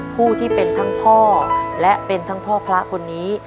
ผู้ที่เป็นทั้งพ่อและเป็นทั้งพ่อพระคนนี้